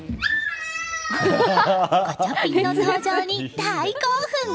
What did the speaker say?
ガチャピンの登場に大興奮！